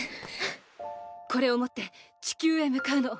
これを持って地球へ向かうの。